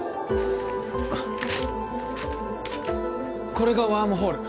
これがワームホール